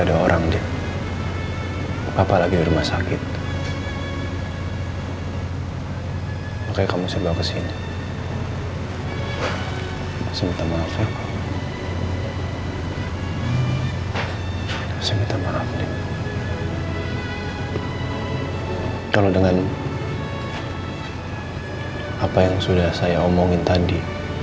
yang ngebuat aku kehilangan anak aku nedi